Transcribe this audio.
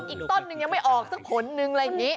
อีกต้นนึงยังไม่ออกสักผลนึงอะไรอย่างนี้